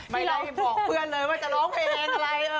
ไม่ไล่บอกเพื่อนเลยว่าจะร้องเพลงอะไรเลย